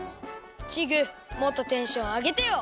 チグもっとテンションあげてよ。